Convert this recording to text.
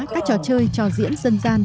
các trò chơi trò diễn dân gian